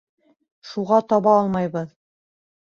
Шуға таба алмайбыҙ!